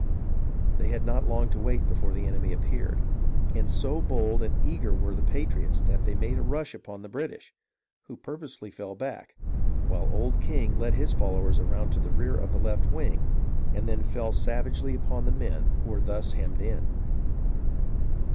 They had not long to wait before the enemy appeared, and so bold and eager were the patriots that they made a rush upon the British, who purposely fell back, while Old King led his followers around to the rear of the left wing, and then fell savagely upon the men who were thus hemmed in.